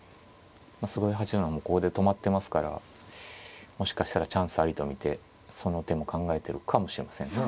菅井八段もここで止まってますからもしかしたらチャンスありと見てその手も考えてるかもしれませんね。